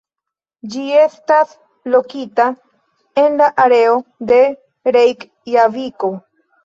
Ĝi estas lokita en la areo de Rejkjaviko.